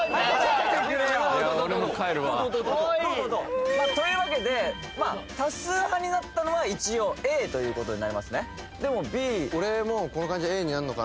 俺も帰るわどうどうどうというわけで多数派になったのは一応ＡということになりますねでもＢ俺も俺も思ったよ